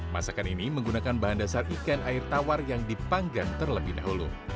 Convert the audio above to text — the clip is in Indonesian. masakan ini menggunakan bahan dasar ikan air tawar yang dipanggang terlebih dahulu